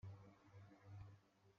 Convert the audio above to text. Mi le hmaifa tenh khawh lonak a um lo.